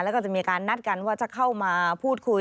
แล้วก็จะมีการนัดกันว่าจะเข้ามาพูดคุย